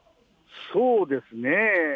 そうですね。